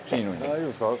「大丈夫ですか？